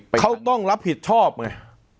เขาน่าตใจต้องต้องรับผิดชอบไง